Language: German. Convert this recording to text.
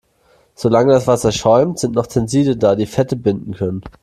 Solange das Wasser schäumt, sind noch Tenside da, die Fette binden können.